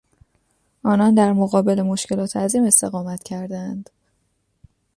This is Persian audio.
آنان در مقابل مشکلات عظیم استقامت کردند.